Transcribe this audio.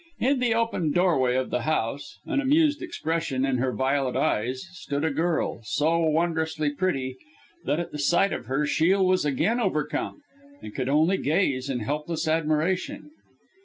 In the open doorway of the house, an amused expression in her violet eyes, stood a girl so wondrously pretty, that at the sight of her Shiel was again overcome, and could only gaze in helpless admiration.